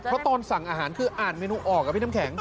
เพราะตอนสั่งอาหารคืออ่านเมนูออกอะพี่น้ำแข็ง